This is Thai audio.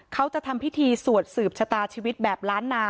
เขาจะทำพิธีสวดสืบชะตาชีวิตแบบล้านนา